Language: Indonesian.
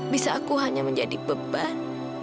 bisa aku hanya menjadi beban